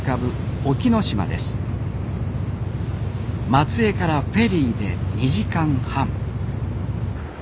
松江からフェリーで２時間半。